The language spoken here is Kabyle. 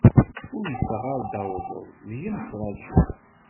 Uyseɣ ar d-tawḍeḍ, deg-m ttrajiɣ.